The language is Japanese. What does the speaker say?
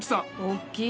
大きい！